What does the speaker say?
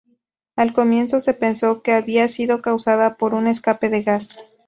Al comienzo se pensó que había sido causada por un escape de gas.